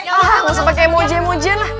hah langsung pakai emoji emojiin lah